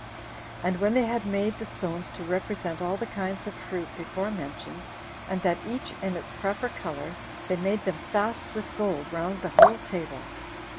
And when they had made the stones to represent all the kinds of fruit before mentioned, and that each in its proper color, they made them fast with gold round the whole table.